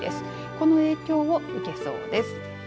この影響を受けそうです。